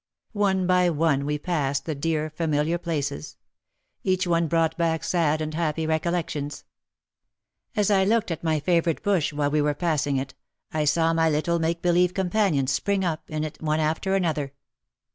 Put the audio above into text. One by one we passed the dear familiar places. Each one brought back sad and happy recollections. As I looked at my favourite bush while we were passing it, I saw my little make believe companions spring up in it one after another.